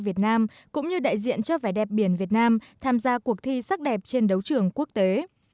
việt nam cũng như đại diện cho vẻ đẹp biển việt nam tham gia cuộc thi sắc đẹp trên đấu trường quốc tế